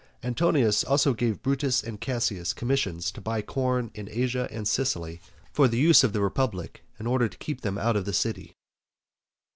Antonius also gave Brutus and Cassius commissions to buy corn in Asia and Sicily for the use of the republic, in order to keep them out of the city.